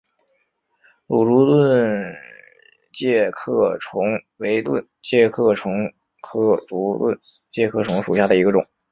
芦竹盾介壳虫为盾介壳虫科竹盾介壳虫属下的一个种。